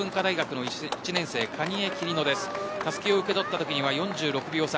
蟹江はたすきを受け取ったときは４６秒差。